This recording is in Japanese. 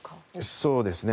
そうですね。